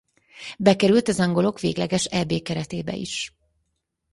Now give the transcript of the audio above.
Bekerült az angolok végleges Eb keretébe is.